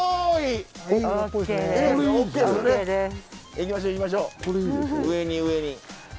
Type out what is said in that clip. いきましょういきましょう上に上に。